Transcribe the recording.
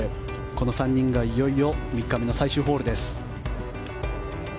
この３人がいよいよ３日目の最終ホールです。